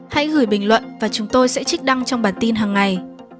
hãy gửi bình luận và chúng tôi sẽ trích đăng trong bản tin hằng ngày